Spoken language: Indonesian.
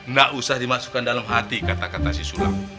gak usah dimasukkan dalam hati kata kata si sulang